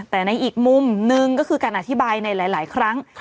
แต่ในอีกมุมหนึ่งก็คือการอธิบายในหลายครั้ง